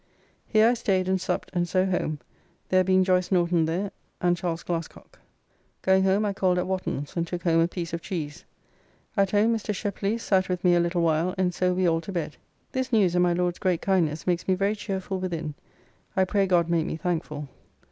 Here I staid and supped and so home, there being Joyce Norton there and Ch. Glascock. Going home I called at Wotton's and took home a piece of cheese. At home Mr. Sheply sat with me a little while, and so we all to bed. This news and my Lord's great kindness makes me very cheerful within. I pray God make me thankful.